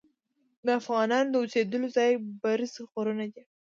د افغانانو د اوسیدلو ځای برز غرونه دي.